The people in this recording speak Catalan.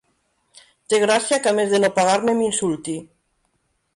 Té gràcia que, a més de no pagar-me, m'insulti.